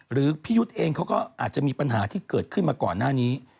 พี่ยุทธ์เองเขาก็อาจจะมีปัญหาที่เกิดขึ้นมาก่อนหน้านี้